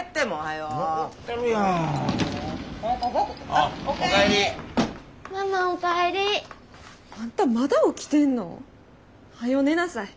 あんたまだ起きてんの？はよ寝なさい。